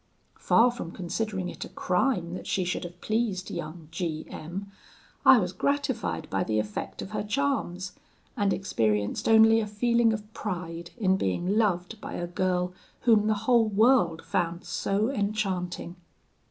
Far from considering it a crime that she should have pleased young G M , I was gratified by the effect of her charms, and experienced only a feeling of pride in being loved by a girl whom the whole world found so enchanting.